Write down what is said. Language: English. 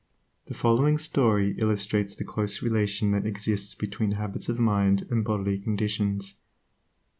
The following story illustrates the close relation that exists between habits of mind and bodily conditions.